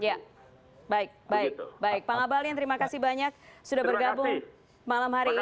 ya baik baik pak ngabalin terima kasih banyak sudah bergabung malam hari ini